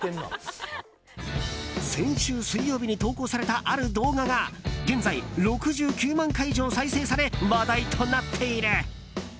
先週水曜日に投稿されたある動画が現在６９万回以上再生され話題となっている。